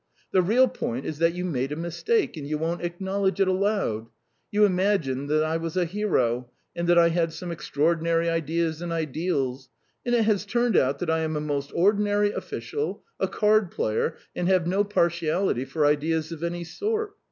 The real point is that you made a mistake, and you won't acknowledge it aloud. You imagined that I was a hero, and that I had some extraordinary ideas and ideals, and it has turned out that I am a most ordinary official, a cardplayer, and have no partiality for ideas of any sort.